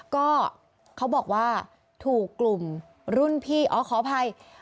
ก็เขาบอกว่าถูกกลุ่มรุ่นพี่อ๋อขออภัย